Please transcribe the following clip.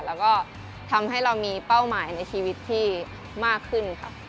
แล้วก็ทำให้เรามีเป้าหมายในชีวิตที่มากขึ้นค่ะ